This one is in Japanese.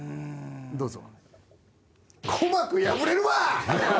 どうぞ。